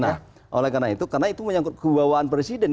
nah oleh karena itu karena itu menyangkut kebawaan presiden